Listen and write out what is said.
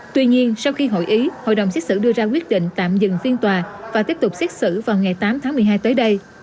tuy nhiên sau khi hội ý hội đồng xét xử đưa ra quyết định tạm dừng phiên tòa và tiếp tục xét xử vào ngày tám tháng một mươi hai tới đây